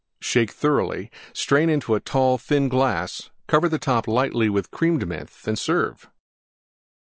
Shake thoroughly; strain into tall, thin glass; cover the top lightly with Creme de Menthe and serve.